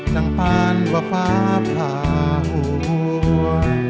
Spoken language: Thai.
นังปานว่าฟ้าพาหัว